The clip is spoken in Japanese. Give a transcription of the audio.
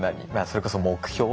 それこそ目標。